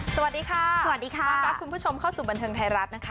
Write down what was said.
สวัสดีค่ะสวัสดีค่ะต้อนรับคุณผู้ชมเข้าสู่บันเทิงไทยรัฐนะคะ